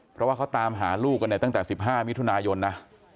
เพราะว่าเขาตามหาลูกกันเนี่ยตั้งแต่๑๕มิถุนายนนะ